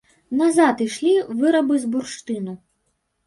Назад ішлі вырабы з бурштыну.